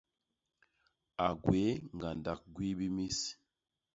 A gwéé ñgandak gwii bi mis.